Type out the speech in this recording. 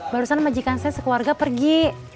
barusan majikan saya sekeluarga pergi